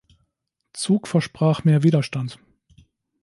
Zug versprach mehr Widerstand.